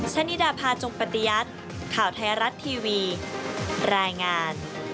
ชะนิดาพาจงปฏิยัติข่าวไทยรัฐทีวีรายงาน